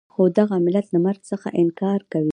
خو دغه ملت له مرګ څخه انکار کوي.